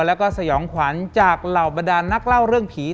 แล้วก็สยองขวัญจากเหล่าบรรดานนักเล่าเรื่องผี